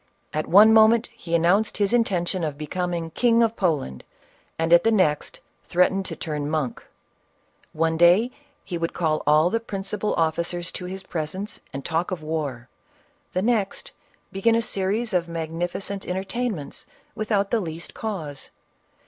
At one moment he announced his intention of becoming King of Poland, and, at the next, threatened to turn monk; one day he would call all the principal officers to his presence, and talk of war; the next, be gin a series of magnificent entertainments without the least causo.